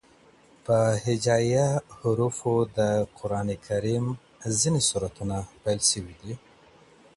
په هجائيه حروفو د قرآن کريم ځيني سورتونه پيل سوي دي.